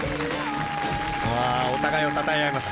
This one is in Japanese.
あお互いをたたえ合います。